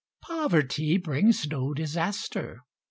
Poverty brings no disaster!